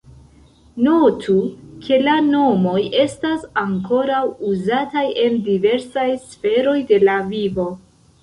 Notu ke la nomoj estas ankoraŭ uzataj en diversaj sferoj de la vivo.